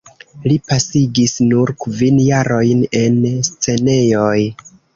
Li pasigis nur kvin jarojn en scenejoj.